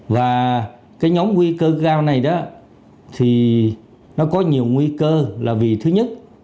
và cái nhóm nguy cơ cao này đó thì nó có nhiều nguy cơ là vì thứ nhất